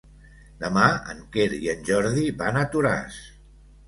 Demà en Quer i en Jordi van a Toràs.